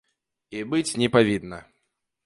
І быць не павінна.